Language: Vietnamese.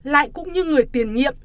lại cũng như người tiền nhiệm